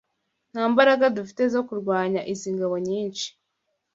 Nta mbaraga dufite zo kurwanya izi ngabo nyinshi.